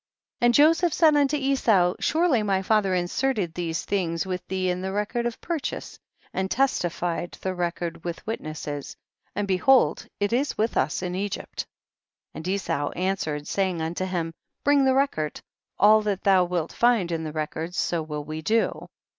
55. And Joseph said unto Esau, surely my father inserted these things with thee in the record of purchase, and testified the record with witness es, and behold it is with us in Egypt. 56. And Esau answered, saying unto him, bring the record, all that thou wilt find in the record, so will we do.